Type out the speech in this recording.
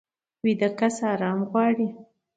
ویده کس ارامي غواړي